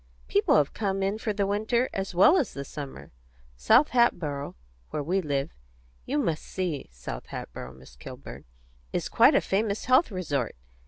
People have come in for the winter as well as the summer. South Hatboro', where we live you must see South Hatboro', Miss Kilburn! is quite a famous health resort.